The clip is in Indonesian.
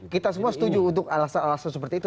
kita semua setuju untuk alasan alasan seperti itu